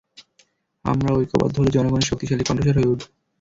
আমরা ঐক্যবদ্ধ হলে জনগণের শক্তিশালী কণ্ঠস্বর হয়ে উঠবো।